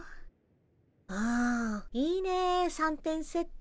うんいいね三点セット。